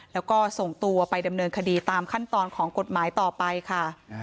แล้วก็ส่งตัวไปดำเนินคดีตามขั้นตอนของกฎหมายต่อไปค่ะ